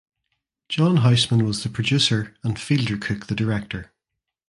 John Houseman was the producer and Fielder Cook the director.